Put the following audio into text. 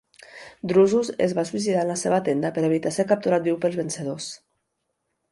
Drusus es va suïcidar en la seva tenda per evitar ser capturat viu pels vencedors.